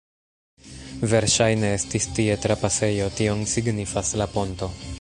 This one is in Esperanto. Verŝajne estis tie trapasejo, tion signifas la ponto.